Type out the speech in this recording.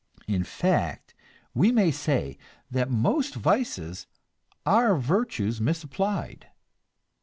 In fact, we may say that most vices are virtues misapplied.